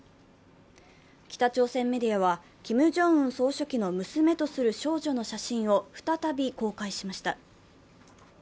北朝鮮メディアはキム・ジョンウン総書記の娘とする少女の写真を再び公開しました。